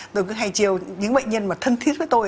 tôi cứ hay chiều những bệnh nhân mà thân thiết với tôi